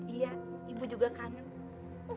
iya ibu juga kangen